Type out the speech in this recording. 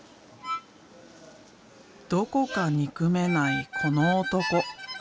どこか憎めないこの男。